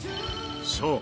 そう。